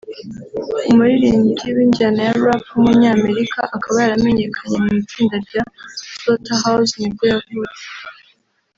umuririmbyi w’injyana ya Rap w’umunyamerika akaba yaramenyekanye mu itsinda rya Slaughterhouse nibwo yavutse